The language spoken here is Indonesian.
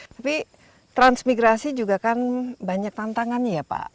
tapi transmigrasi juga kan banyak tantangannya ya pak